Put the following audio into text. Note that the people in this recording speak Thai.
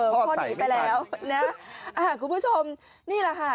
พ่อหนีไปแล้วนะอ่าคุณผู้ชมนี่แหละค่ะ